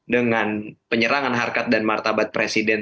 dengan penyerangan harkat dan martabat presiden